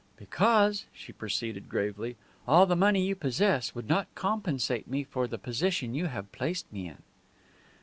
"Because," she proceeded, gravely, "all the money you possess would not compensate me for the position you have placed me in."